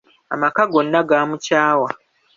Amaka gonna gaamukyawa.